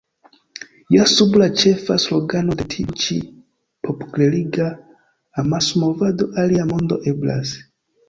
Ja sub la ĉefa slogano de tiu ĉi popolkleriga amasmovado Alia mondo eblas!